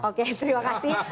oke terima kasih